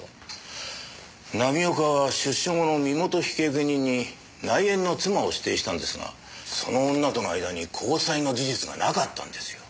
浪岡は出所後の身元引受人に内縁の妻を指定したんですがその女との間に交際の事実がなかったんですよ。